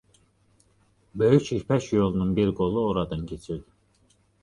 Böyük İpək yolunun bir qolu oradan keçirdi.